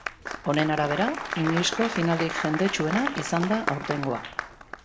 Honen arabera, inoizko finalik jendetsuena izan da aurtengoa.